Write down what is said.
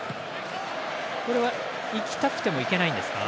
これはいきたくてもいけないんですか？